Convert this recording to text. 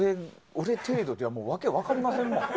俺程度では訳分かりませんもん。